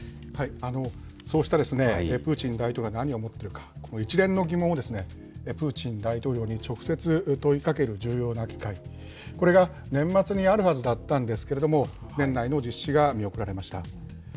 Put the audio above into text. そうしたプーチン大統領が何を思っているか、この一連の疑問を、プーチン大統領に直接問いかける重要な機会、これが年末にあるはずだったんですけども、年内の実施が見送られました。